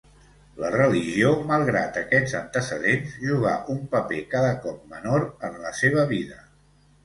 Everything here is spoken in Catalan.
La religió, malgrat aquests antecedents, jugà un paper cada cop menor en la seva vida.